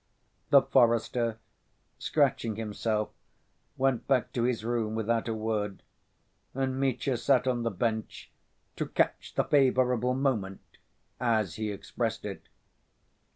The forester, scratching himself, went back to his room without a word, and Mitya sat on the bench to "catch the favorable moment," as he expressed it.